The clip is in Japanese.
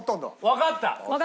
わかった！